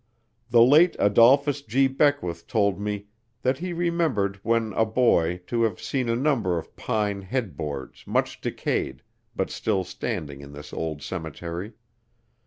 The late Adolphus G. Beckwith told me that he remembered when a boy to have seen a number of pine "head boards," much decayed, but still standing in this old cemetery.